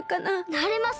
なれます！